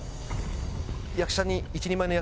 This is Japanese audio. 役者に。